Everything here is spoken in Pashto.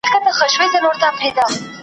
نور لا څه غواړې له ستوني د منصوره .